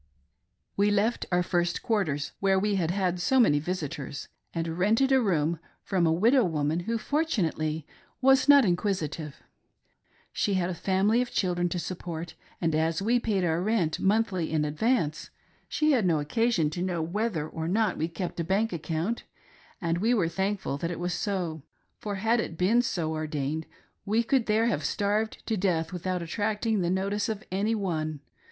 We left our first quarters, where we had had so many visitors, and rented a room from a widow woman. Who fortunately was not inquisitive. . She had a family of children to support, and as we paid our rent monthly in advance, she had no occasion to know whether or not we kept a bank account, and we were thankful that it»was so, for, had it been so ordained, we could there have starved to death without attracting the notice of any one.